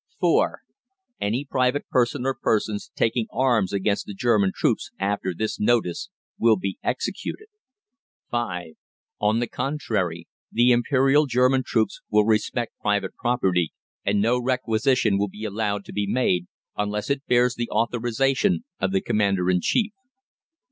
(4) ANY PRIVATE PERSON OR PERSONS taking arms against the German troops after this notice will be EXECUTED. (5) ON THE CONTRARY, the Imperial German troops will respect private property, and no requisition will be allowed to be made unless it bears the authorisation of the Commander in Chief.